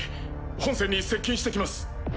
本船に接近してきます。